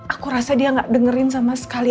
aku rasa dia gak dengerin sama sekali